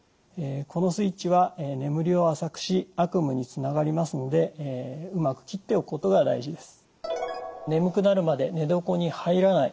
このスイッチは眠りを浅くし悪夢につながりますのでうまくきっておくことが大事です。